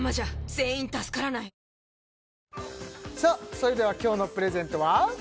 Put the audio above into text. それでは今日のプレゼントは？